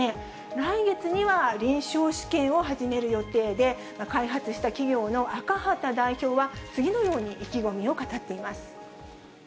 来月には臨床試験を始める予定で、開発した企業の赤畑代表は、次のように意気込みを語っています。